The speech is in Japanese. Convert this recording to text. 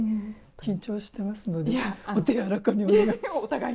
緊張してますのでお手柔らかにお願いします。